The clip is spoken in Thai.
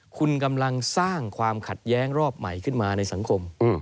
คุณกำลังสร้างความขัดแย้งรอบใหม่ขึ้นมาในสังคม